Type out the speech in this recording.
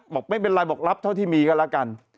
บอกไม่เป็นไรบอกรับเท่าที่มีก็แล้วกัน